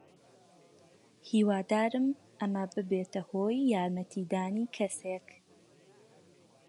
هیوادارم ئەمە ببێتە هۆی یارمەتیدانی کەسێک.